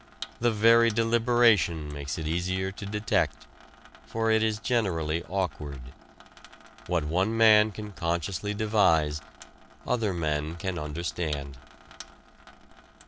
The very deliberation makes it easier to detect, for it is generally awkward. What one man can consciously devise, other men can understand.